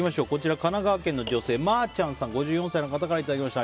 神奈川県の女性５４歳の方からいただきました。